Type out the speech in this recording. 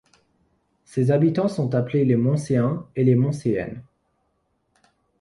Ses habitants sont appelés les Moncéens et les Moncéennes.